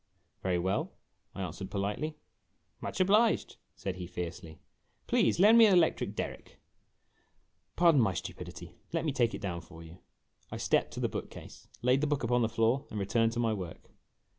"Very well," I answered politely. " Much obliged," said he fiercely. " Please lend me an electric derrick !"" Pardon my stupidity let me take it clown for you." I stepped to the book case, laid the book upon the floor, and returned to my work.